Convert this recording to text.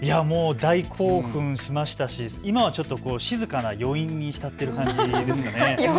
大興奮しましたし今はちょっと静かな余韻に浸っている感じですかね。